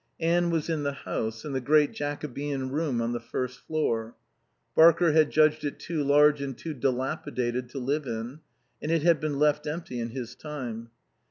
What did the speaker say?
Anne was in the house, in the great Jacobean room on the first floor. Barker had judged it too large and too dilapidated to live in, and it had been left empty in his time.